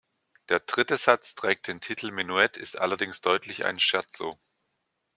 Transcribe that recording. Der dritte Satz trägt den Titel "Menuett", ist allerdings deutlich ein "Scherzo".